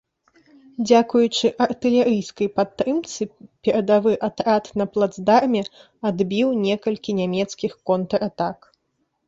Дзякуючы артылерыйскай падтрымцы перадавы атрад на плацдарме адбіў некалькі нямецкіх контратак.